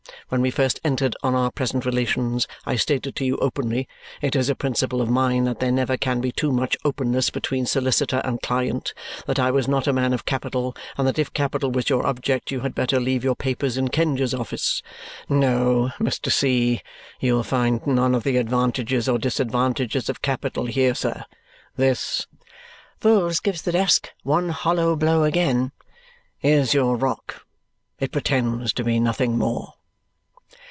When we first entered on our present relations I stated to you openly it is a principle of mine that there never can be too much openness between solicitor and client that I was not a man of capital and that if capital was your object you had better leave your papers in Kenge's office. No, Mr. C., you will find none of the advantages or disadvantages of capital here, sir. This," Vholes gives the desk one hollow blow again, "is your rock; it pretends to be nothing more."